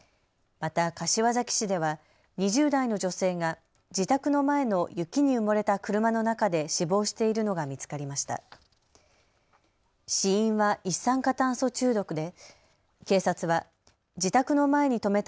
また柏崎市では２０代の女性が自宅の前の雪に埋もれた車の中で死亡しているのが見つかりました。